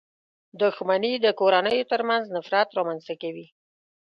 • دښمني د کورنيو تر منځ نفرت رامنځته کوي.